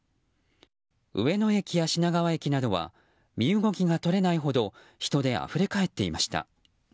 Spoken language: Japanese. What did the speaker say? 上野駅や品川駅などは身動きが取れないほど人であふれかえっていました。